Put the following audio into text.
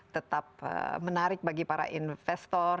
tetap menarik bagi para investor